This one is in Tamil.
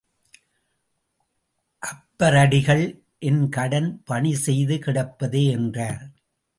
அப்பரடிகள் என் கடன் பணிசெய்து கிடப்பதே என்றார்.